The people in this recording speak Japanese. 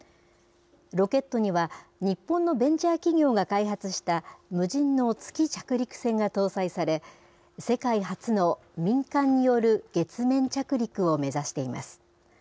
ロケットには、日本のベンチャー企業が開発した無人の月着陸船が搭載され、世界初の民間による月面着陸を目指しています。